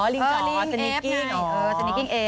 อ๋อลิงจอสนิกกิ้งอ๋อ